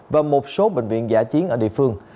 và một số bệnh viện giả chiến ở địa phương